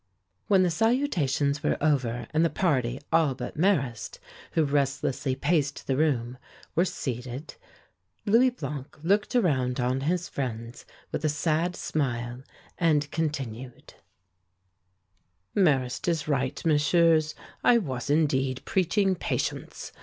When the salutations were over and the party, all but Marrast, who restlessly paced the room, were seated, Louis Blanc looked around on his friends with a sad smile, and continued: "Marrast is right, Messieurs. I was, indeed, preaching patience.